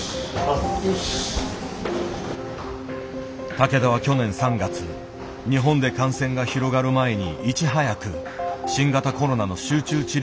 竹田は去年３月日本で感染が広がる前にいち早く新型コロナの集中治療室を新設した。